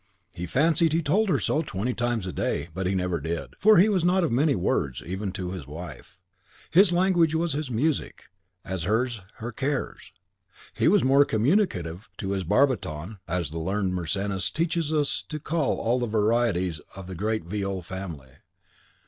He fancied he told her so twenty times a day; but he never did, for he was not of many words, even to his wife. His language was his music, as hers, her cares! He was more communicative to his barbiton, as the learned Mersennus teaches us to call all the varieties of the great viol family.